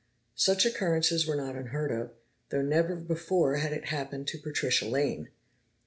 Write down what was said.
Such occurrences were not unheard of, though never before had it happened to Patricia Lane!